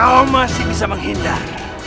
kau masih bisa menghindar